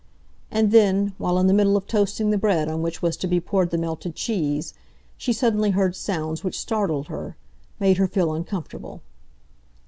And then, while in the middle of toasting the bread on which was to be poured the melted cheese, she suddenly heard sounds which startled her, made her feel uncomfortable.